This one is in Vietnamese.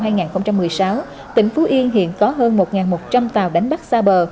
năm hai nghìn một mươi sáu tỉnh phú yên hiện có hơn một một trăm linh tàu đánh bắt xa bờ